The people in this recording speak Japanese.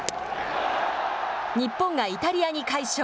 日本がイタリアに快勝。